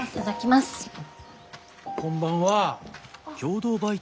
こんばんは。